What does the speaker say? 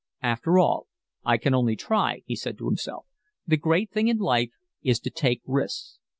"After all, I can only try," he said to himself. "The great thing in life is to take risks."